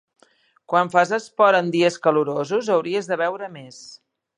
Quan fas esport en dies calorosos hauries de beure més.